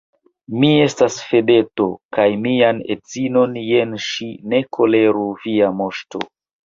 Mi estas Fedoto, kaj mian edzinon, jen ŝin, ne koleru, via moŝto!